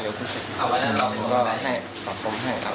เดือดร้อนเรื่องเงินหลังกัน